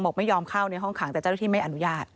ไม่ยอมเข้าในห้องขังแต่เจ้าหน้าที่ไม่อนุญาต